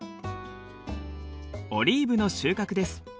オリーブの収穫です。